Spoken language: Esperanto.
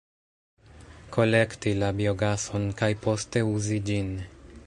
Kolekti la biogason kaj poste uzi ĝin.